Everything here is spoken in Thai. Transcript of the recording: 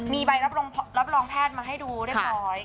มีใบรับรองแพทย์มาให้ดูเรียบร้อย